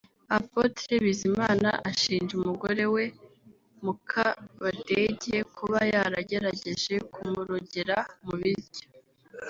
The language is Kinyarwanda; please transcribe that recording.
Apotre Bizimana ashinja umugore we Mukabadege kuba yaragerageje kumurogera mu biryo